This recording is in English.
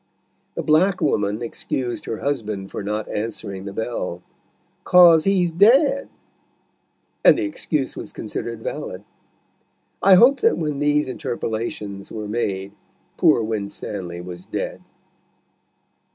The black woman excused her husband for not answering the bell, "'Cause he's dead," and the excuse was considered valid. I hope that when these interpolations were made, poor Winstanley was dead.